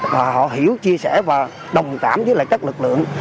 và họ hiểu chia sẻ và đồng cảm với các lực lượng